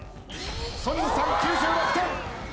ソニンさん９６点。